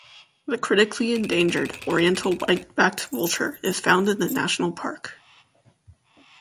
The critically endangered Oriental white-backed vulture is found in the national park.